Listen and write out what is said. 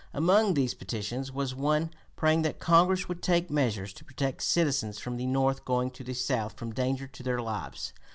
Among these petitions was one "praying that Congress would take measures to protect citizens from the North going to the South from danger to their lives.